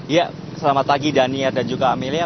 ya selamat pagi daniar dan juga amelia